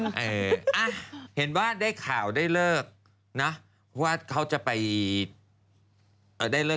ฉันว่าเปิดอะน่าจะดี